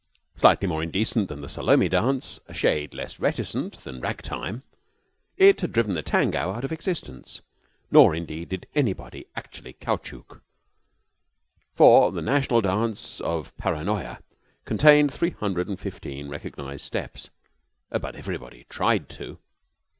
Slightly more indecent than the Salome dance, a shade less reticent than ragtime, it had driven the tango out of existence. Nor, indeed, did anybody actually caoutchouc, for the national dance of Paranoya contained three hundred and fifteen recognized steps; but everybody tried to.